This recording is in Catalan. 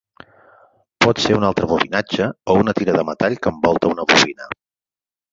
Pot ser un altre bobinatge o una tira de metall que envolta una bobina.